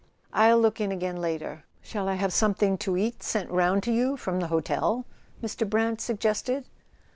"I'll look in again later. Shall I have something to eat sent round to you from the hotel?" Mr. Brant suggested.